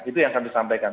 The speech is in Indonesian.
itu yang kami sampaikan